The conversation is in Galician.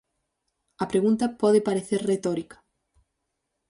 A pregunta pode parecer retórica.